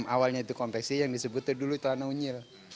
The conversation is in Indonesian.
awalnya itu konveksi yang disebut dulu tanah unyil